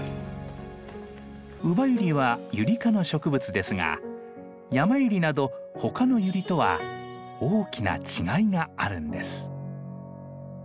ウバユリはユリ科の植物ですがヤマユリなどほかのユリとは大きな違いがあるんです。